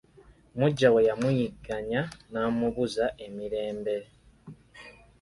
Muggya we yamuyigganya n'amubuza emirembe.